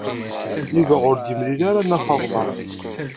Yuba ur d-yemli ara Nna Faḍma.